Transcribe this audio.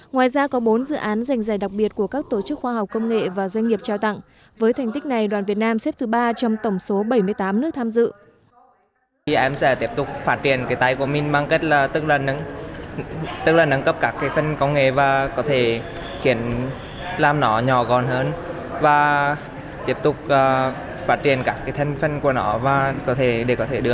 ngoài ra có bốn dự án giành giải đặc biệt của các tổ chức khoa học công nghệ và doanh nghiệp trao tặng với thành tích này đoàn việt nam xếp thứ ba trong tổng số bảy mươi tám nước tham dự